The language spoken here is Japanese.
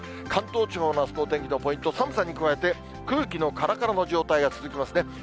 関東地方のあすのお天気のポイント、寒さに加えて空気のからからの状態が続きますね。